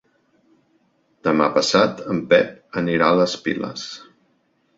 Demà passat en Pep anirà a les Piles.